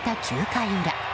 ９回裏。